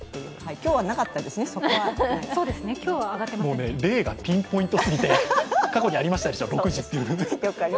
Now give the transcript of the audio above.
今日はなかったですね、そこはね。例がピンポイントすぎて、過去にありましたでしょう。